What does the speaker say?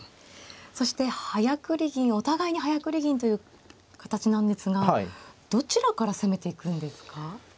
そしてお互いに早繰り銀という形なんですがどちらから攻めていくんですか。